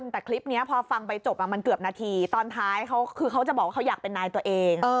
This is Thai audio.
แต่คลิปนี้พอฟังไปจบมันเกือบนาทีตอนท้ายคือเขาจะบอกว่าเขาอยากเป็นนายตัวเอง